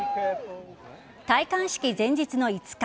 戴冠式前日の５日。